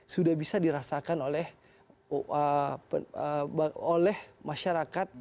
sudah bisa dirasakan oleh masyarakat